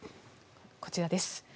こちらです。